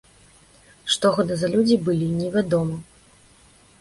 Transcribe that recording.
Што гэта за людзі былі невядома.